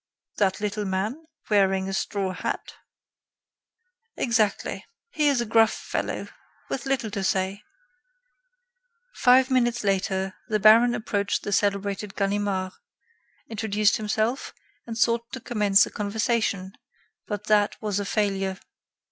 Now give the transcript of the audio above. "That little man, wearing a straw hat?" "Exactly. He is a gruff fellow, with little to say." Five minutes later, the baron approached the celebrated Ganimard, introduced himself, and sought to commence a conversation, but that was a failure.